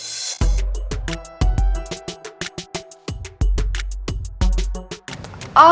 tidak itu aku